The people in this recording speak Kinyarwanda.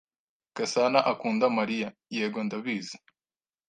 "Gasana akunda Mariya." "Yego ndabizi."